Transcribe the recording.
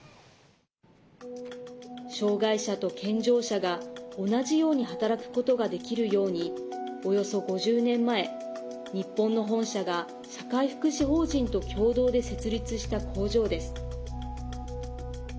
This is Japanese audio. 障害者と健常者が、同じように働くことができるようにおよそ５０年前、日本の本社が社会福祉法人と共同で設立した工場です。